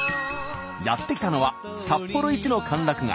やって来たのは札幌一の歓楽街